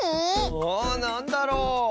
ああなんだろう？